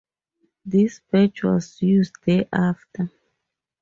This badge was used thereafter.